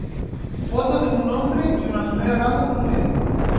Foto de un hombre y una mujer hablando con un médico